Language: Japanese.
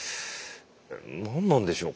何なんでしょう？